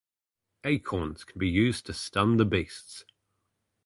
Acorns can be used to stun the beasts.